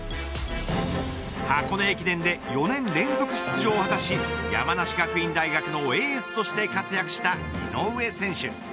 箱根駅伝で４年連続出場を果たし山梨学院大学のエースとして活躍した井上選手。